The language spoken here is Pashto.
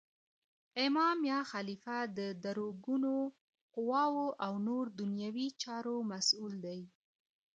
امام یا خلیفه د درو ګونو قوواو او نور دنیوي چارو مسول دی.